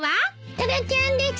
タラちゃんです。